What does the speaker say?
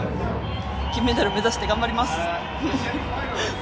金メダルを目指して頑張ります。